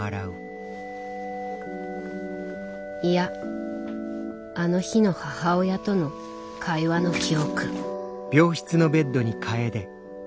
いやあの日の母親との会話の記憶。